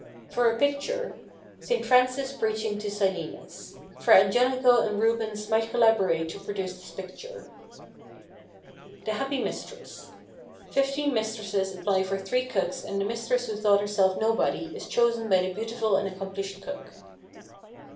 For a Picture: St. Francis preaching to Silenus. Fra Angelico and Rubens might collaborate to produce this picture. The Happy Mistress. Fifteen mistresses apply for three cooks and the mistress who thought herself nobody is chosen by the beautiful and accomplished cook.